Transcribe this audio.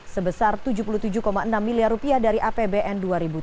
sebesar rp tujuh puluh tujuh enam miliar dari apbn dua ribu tujuh belas